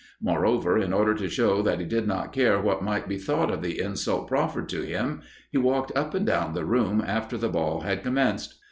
Moreover, in order to show that he did not care what might be thought of the insult proffered to him, he walked up and down the room after the ball had commenced.